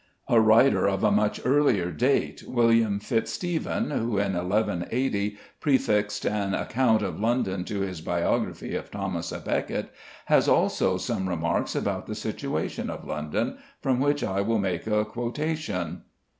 A writer of a much earlier date, William Fitz Stephen, who in 1180 prefixed an account of London to his biography of Thomas à Becket, has also some remarks about the situation of London, from which I will make a quotation.